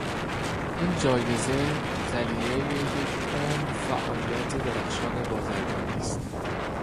این جایزه طلیعهی یک عمر فعالیت درخشان بازرگانی است.